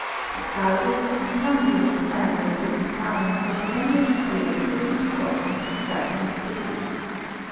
The proudest and comeliest man that could be found was annually selected and brought into Triton's city.